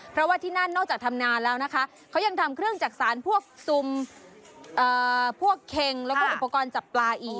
เพราะว่าที่นั่นนอกจากทำนาแล้วนะคะเขายังทำเครื่องจักษานพวกซุมพวกเค็งแล้วก็อุปกรณ์จับปลาอีก